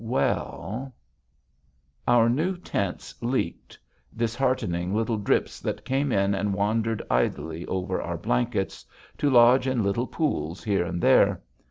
Well Our new tents leaked disheartening little drips that came in and wandered idly over our blankets, to lodge in little pools here and there.